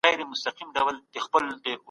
وخت د طلا په څېر ارزښت لري.